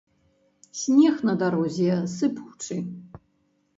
Снег на дарозе сыпучы.